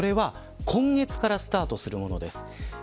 それは今月からスタートするものです。